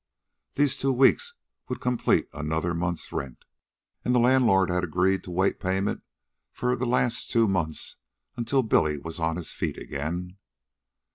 These two weeks would complete another month's rent, and the landlord had agreed to wait payment for the last two months until Billy was on his feet again.